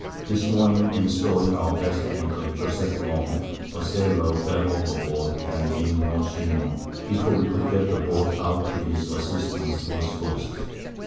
This Morning in Stowing our best Anchor, Joseph Long, a Sailor, fell over Board, and being no Swimmer, before we could get the Boat out to his Assistance, was lost.